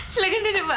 silahkan duduk pak